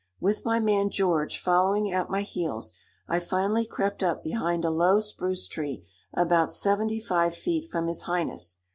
With my man George following at my heels, I finally crept up behind a low spruce tree about seventy five feet from his highness.